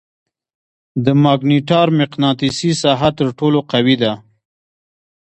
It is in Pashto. د ماګنیټار مقناطیسي ساحه تر ټولو قوي ده.